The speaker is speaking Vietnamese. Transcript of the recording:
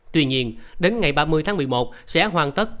tuy nhiên đến ngày ba mươi tháng một mươi một sẽ hoàn tất